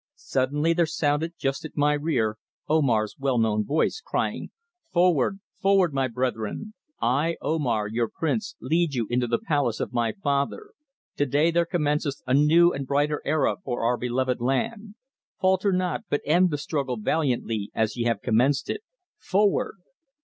Suddenly there sounded just at my rear Omar's well known voice, crying: "Forward! Forward, my brethren. I, Omar, your prince, lead you into the palace of my father. To day there commenceth a new and brighter era for our beloved land. Falter not, but end the struggle valiantly as ye have commenced it. Forward!"